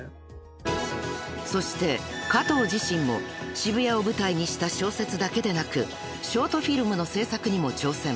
［そして加藤自身も渋谷を舞台にした小説だけでなくショートフィルムの制作にも挑戦］